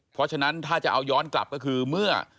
เพราะฉะนั้นถ้าจะเอาย้อนกลับก็คือเมื่อ